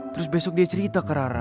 terus besok dia cerita ke rara